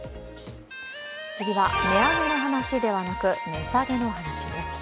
次は値上げの話ではなく値下げの話です。